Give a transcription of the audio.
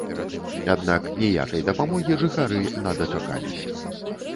Аднак ніякай дапамогі жыхары на дачакаліся.